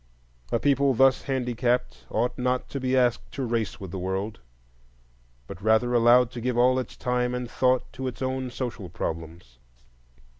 A people thus handicapped ought not to be asked to race with the world, but rather allowed to give all its time and thought to its own social problems.